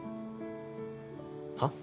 はっ？